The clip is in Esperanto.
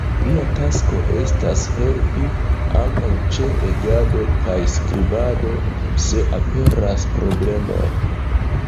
Lia tasko estas helpi ankaŭ ĉe legado kaj skribado, se aperas problemoj.